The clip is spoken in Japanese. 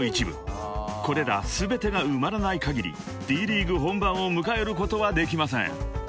［これら全てが埋まらない限りＤ．ＬＥＡＧＵＥ本番を迎えることはできません］